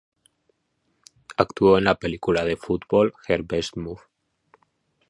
Actuó en la película de fútbol, "Her Best Move".